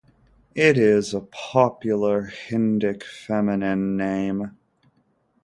It is a popular Hindic feminine name.